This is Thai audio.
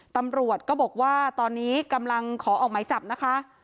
ตำรวจก็บอกว่าตอนนี้กำลังขอออกหมายจับนะคะ